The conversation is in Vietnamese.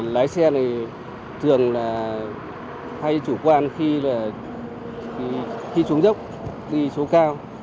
lái xe thì thường hay chủ quan khi xuống dốc khi số cao